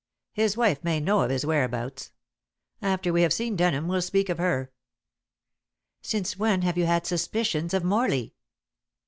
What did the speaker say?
His wife may know of his whereabouts. After we have seen Denham we'll speak of her." "Since when have you had suspicions of Morley?"